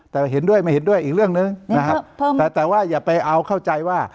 แต่เห็นด้วยไม่เห็นด้วยอีกเรื่องหนึ่งนะครับแต่แต่ว่าอย่าไปเอาเข้าใจว่า